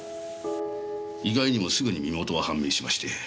意外にもすぐに身元は判明しまして。